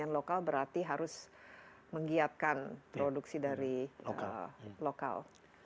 yang lokal berarti harus menggiatkan produksi dari lokal